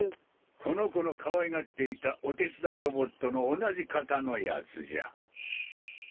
この子のかわいがっていたお手伝いロボットの同じ型のやつじゃ。